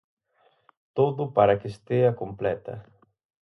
Todo para que estea completa.